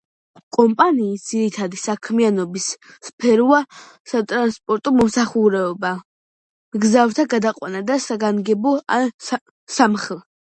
კომპანიის ძირითადი საქმიანობის სფეროა სატრანსპორტო მომსახურება, მგზავრთა გადაყვანა და საგანგებო ან სამხ.